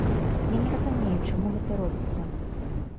Я не разумею, чаму гэта робіцца.